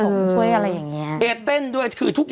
มะม่วงสุกก็มีเหมือนกันมะม่วงสุกก็มีเหมือนกัน